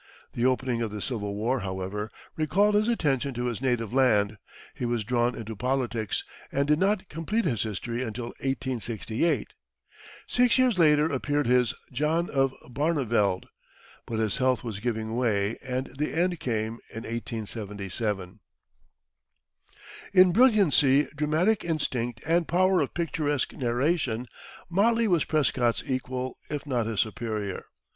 The opening of the Civil War, however, recalled his attention to his native land, he was drawn into politics, and did not complete his history until 1868. Six years later appeared his "John of Barneveld"; but his health was giving way and the end came in 1877. In brilliancy, dramatic instinct and power of picturesque narration, Motley was Prescott's equal, if not his superior.